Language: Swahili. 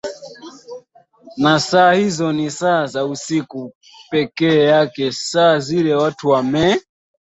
na saa hizo ni saa za usiku pekee yake saa zile watu wamee